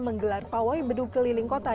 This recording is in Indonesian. menggelar pawai beduk keliling kota